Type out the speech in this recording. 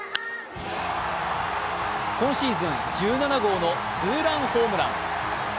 今シーズン１７号のツーランホームラン。